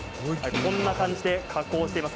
こんな感じで加工しています。